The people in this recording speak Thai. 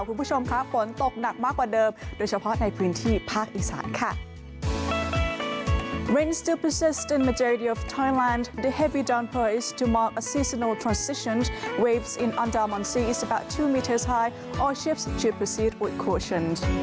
คุณผู้ชมค่ะฝนตกหนักมากกว่าเดิมโดยเฉพาะในพื้นที่ภาคอีสานค่ะ